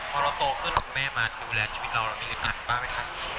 พอเราโตขึ้นคุณแม่มาดูแลชีวิตเราเรามีอึดอัดบ้างไหมคะ